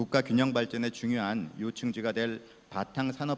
dan presiden pradikno